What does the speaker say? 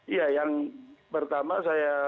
iya yang pertama saya